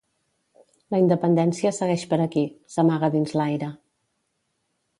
La independència segueix per aquí, s'amaga dins l'aire.